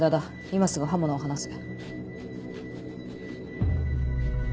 今すぐ刃物を離せ。